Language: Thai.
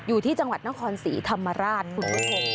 อยู่ที่จังหวัดนครศรีธรรมราชคุณผู้ชม